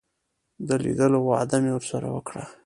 د لیدلو وعده مې ورسره وکړه.